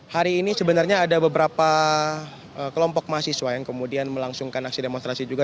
hari ini sebenarnya ada beberapa kelompok mahasiswa yang kemudian melangsungkan aksi demonstrasi juga